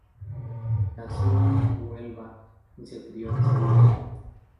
Nació en Huelva y se crió en Sevilla.